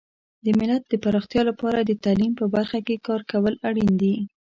د ملت د پراختیا لپاره د تعلیم په برخه کې کار کول اړین دي.